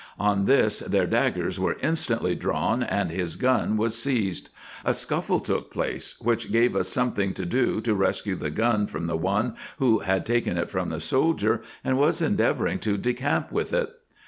On this their daggers were instantly drawn, and his gun was seized. A scuffle took place, which gave us something to do to rescue the gun from the one who had taken it from the soldier, and was endeavouring to decamp with it.